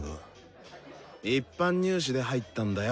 一般入試で入ったんだよ。